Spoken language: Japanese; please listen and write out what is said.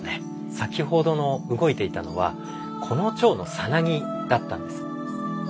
先ほどの動いていたのはこのチョウのサナギだったんです。